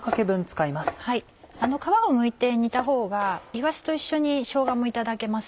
皮をむいて煮たほうがいわしと一緒にしょうがもいただけます。